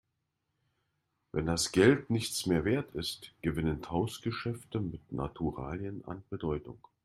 Wenn das Geld nichts mehr Wert ist, gewinnen Tauschgeschäfte mit Naturalien an Bedeutung.